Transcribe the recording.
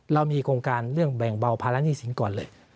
เรามีโครงการเรื่องแบ่งเบาภาระหนี้สินก่อนเลย